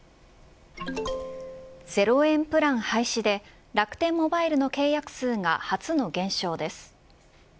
ゼロ円プラン廃止で楽天モバイルの契約数が初の減少です。